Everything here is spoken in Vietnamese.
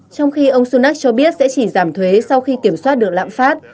trong khi ông sunak cho biết sẽ chỉ giảm thuế sau khi kiểm soát được lãm phát